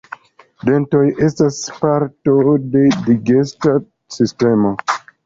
Dentoj estas parto de digesta sistemo.